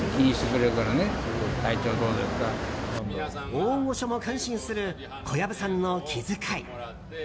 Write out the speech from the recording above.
大御所も感心する小籔さんの気遣い。